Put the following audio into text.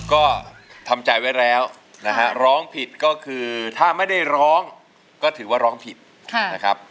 ก็ทำใจไว้แล้วนะฮะร้องผิดก็คือถ้าไม่ได้ร้องก็ถือว่าร้องผิดนะครับ